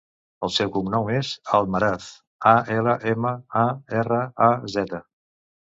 El seu cognom és Almaraz: a, ela, ema, a, erra, a, zeta.